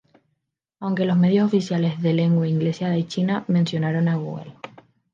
Aunque los medios oficiales de lengua inglesa de China mencionaron a Google.